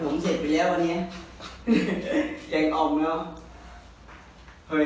ตอนนี้ก็ไม่มีเวลาให้กลับไปแต่ตอนนี้ก็ไม่มีเวลาให้กลับไป